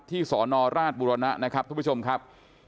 ที่สรณ์ราชบุรณะท่านผู้ชมครับ